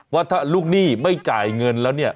ว่าถ้าลูกหนี้ไม่จ่ายเงินแล้วเนี่ย